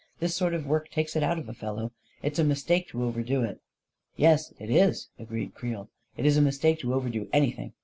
" This sort of work takes it out of a fel low. It's a mistake to overdo it." "Yes, it is," agreed Creel; "it's a mistake to overdo anything.